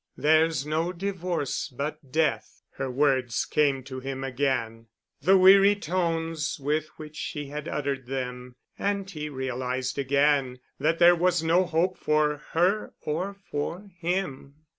"There's no divorce but death." Her words came to him again, the weary tones with which she had uttered them, and he realized again that there was no hope for her or for him.